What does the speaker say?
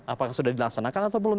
apakah sudah dilaksanakan atau belum